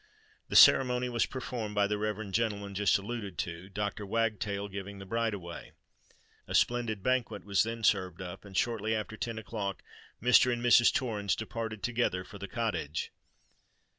The ceremony was performed by the reverend gentleman just alluded to, Dr. Wagtail giving the bride away. A splendid banquet was then served up; and shortly after ten o'clock Mr. and Mrs. Torrens departed together for the Cottage.